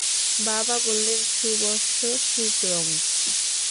বাবা বললেন, শুভস্য শীঘ্রং।